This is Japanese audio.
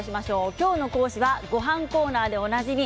今日の講師はゴハンコーナーでおなじみ